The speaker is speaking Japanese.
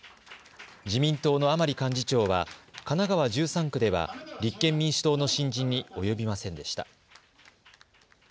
自民党の甘利幹事長は神奈川１３区では立憲民主党の新人に及びませんでした。